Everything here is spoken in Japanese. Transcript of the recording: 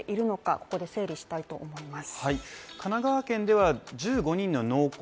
ここで整理したいと思います